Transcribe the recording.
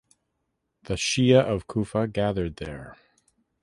The Shia of Kufa gathered there.